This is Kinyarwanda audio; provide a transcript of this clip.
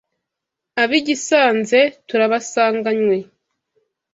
Ab’i Gisanze turabasanganywe